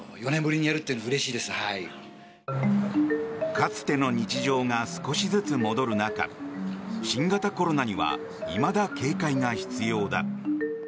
かつての日常が少しずつ戻る中新型コロナにはいまだ警戒が必要だ。